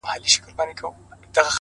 چاته د دار خبري ډيري ښې دي؛